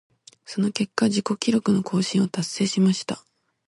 その結果、自己記録の更新を達成しました。